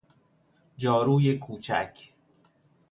جاروی کوچک